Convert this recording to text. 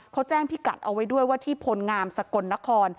เขาแจ้งพิกัดเอาไว้ด้วยว่าที่พลงามสกลนคร